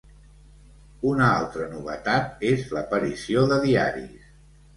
Una altra novetat és l’aparició de diaris.